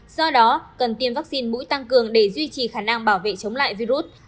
do đó cần tiêm vaccine mũi tăng cường để duy trì khả năng bảo vệ chống lại virus